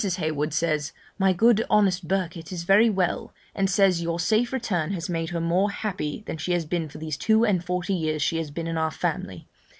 Heywood says, 'my good honest Birket is very well, and says your safe return has made her more happy than she has been for these two and forty years she has been in our family.'